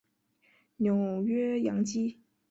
纽约洋基